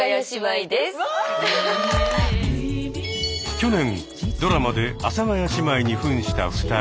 去年ドラマで阿佐ヶ谷姉妹にふんした２人。